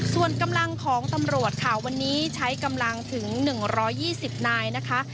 ส่วนกำลังของตำรวจค่ะวันนี้ใช้กำลังถึง๑๒๐นายนะคะ